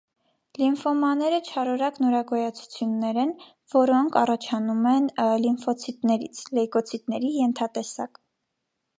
Լիմֆոմաները չարորակ նորագոյացություններ են, որոնք առաջանում են լիմֆոցիտներից (լեյկոցիտների ենթատեսակ)։